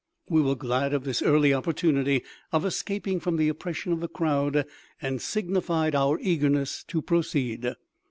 We were glad of this early opportunity of escaping from the oppression of the crowd, and signified our eagerness to proceed.